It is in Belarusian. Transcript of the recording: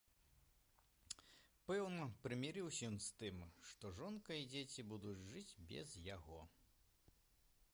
Пэўна, прымірыўся ён з тым, што жонка і дзеці будуць жыць без яго.